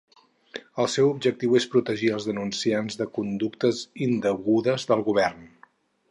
El seu objectiu és protegir els denunciants de conductes indegudes del govern.